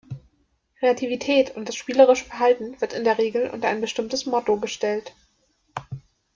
Kreativität und das spielerische Verhalten wird in der Regel unter ein bestimmtes Motto gestellt.